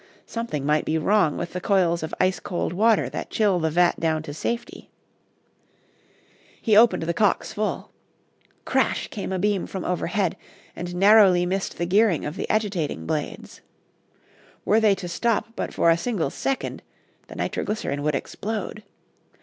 Something might be wrong with the coils of ice cold water that chill the vat down to safety. He opened the cocks full. Crash! came a beam from overhead, and narrowly missed the gearing of the agitating blades. Were they to stop but for a single second, the nitroglycerin would explode.